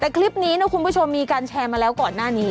แต่คลิปนี้นะคุณผู้ชมมีการแชร์มาแล้วก่อนหน้านี้